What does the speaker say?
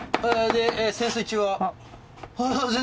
で、潜水中は？